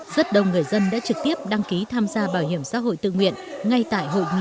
rất đông người dân đã trực tiếp đăng ký tham gia bảo hiểm xã hội tự nguyện ngay tại hội nghị